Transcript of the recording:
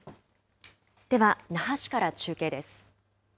では、那覇市から中継です。